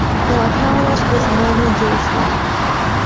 There are parallels for this in Roman and Jewish law.